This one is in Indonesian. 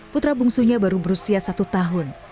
putra bungsunya baru berusia satu tahun